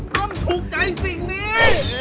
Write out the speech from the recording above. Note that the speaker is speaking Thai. ต้องถูกใจสิทธิ